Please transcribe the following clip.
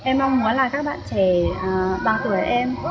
em mong muốn là các bạn trẻ bằng tuổi em